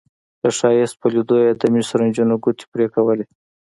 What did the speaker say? د ښایست په لیدو یې د مصر نجونو ګوتې پرې کولې.